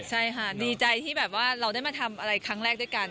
ใช่ค่ะดีใจที่แบบว่าเราได้มาทำอะไรครั้งแรกด้วยกัน